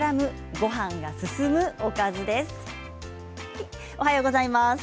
おはようございます。